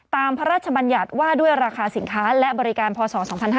พระราชบัญญัติว่าด้วยราคาสินค้าและบริการพศ๒๕๕๙